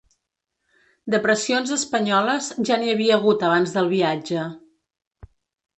De pressions espanyoles, ja n’hi havia hagut abans del viatge.